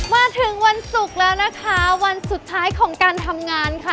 มาถึงวันศุกร์แล้วนะคะวันสุดท้ายของการทำงานค่ะ